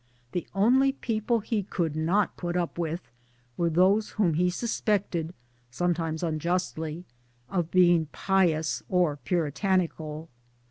The only people he could not put up with were those whom he suspected (sometimes unjustly) of being pious or puritanical.